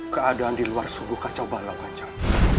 keadaan di luar sungguh kacau balau kanjang